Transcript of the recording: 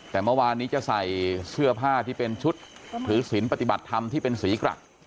แต่เมื่อวานนี้จะใส่เสื้อผ้าที่เป็นชุดถือศิลปฏิบัติธรรมที่เป็นสีกรัก